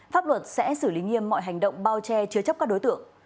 pháp luật sẽ xử lý nghiêm mọi hành động bao che chứa chấp các đối tượng